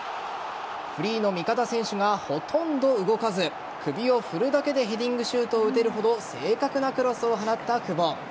フリーの味方選手がほとんど動かず首を振るだけでヘディングシュートを打てるほど正確なクロスを放った久保。